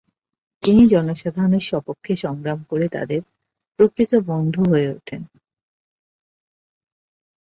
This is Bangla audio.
তিনি জনসাধারণের সপক্ষে সংগ্রাম করে তাদের প্রকৃত বন্ধু হয়ে ওঠেন।